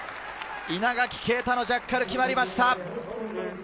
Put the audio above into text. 稲垣啓太のジャッカル、決まりました。